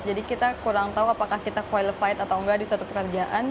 jadi kita kurang tahu apakah kita qualified atau enggak di suatu pekerjaan